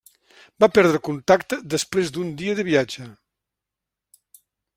Va perdre contacte després d'un dia de viatge.